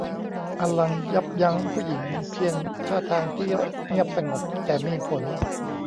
อัลลันยับยั้งผู้หญิงเพียงท่าทางที่เงียบสงบ แต่มีผล